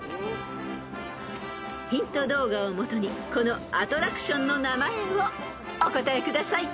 ［ヒント動画をもとにこのアトラクションの名前をお答えください］